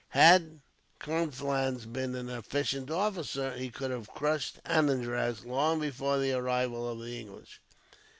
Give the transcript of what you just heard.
Had Conflans been an efficient officer, he could have crushed Anandraz long before the arrival of the English.